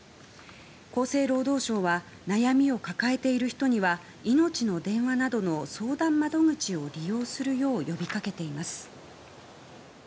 厚生労働省は悩みを抱えている人にはいのちの電話などの相談窓口を利用するよう呼びかけています。